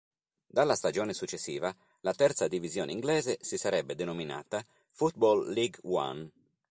Dalla stagione successiva, la terza divisione inglese si sarebbe denominata "Football League One".